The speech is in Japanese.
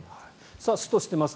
ストしています